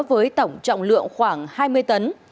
với tổng trọng lượng khoảng hai mươi tấn